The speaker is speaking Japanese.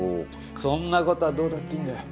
そんなことはどうだっていいんだよ。